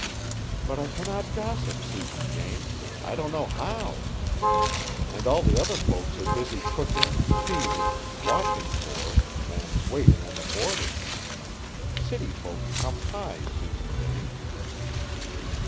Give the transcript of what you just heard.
"But I cannot gossip, Susan Jane, I don't know how; and all the other folks are busy cooking, feeding, washing for, and waiting on the boarders. City folks come high, Susan Jane."